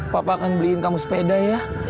papa akan beliin kamu sepeda ya